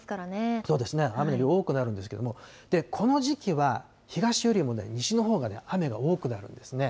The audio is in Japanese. そうですね、雨の量多くなるんですけれども、この時期は、東よりも西のほうが雨が多くなるんですね。